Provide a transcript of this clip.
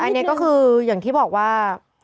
อันนี้ก็คืออย่างที่บอกว่า